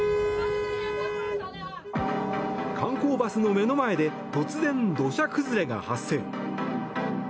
観光バスの目の前で突然、土砂崩れが発生。